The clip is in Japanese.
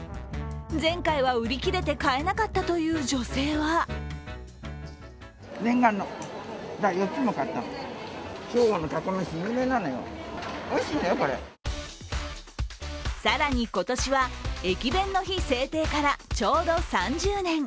前回は売り切れて買えなかったという女性は更に、今年は駅弁の日制定からちょうど３０年。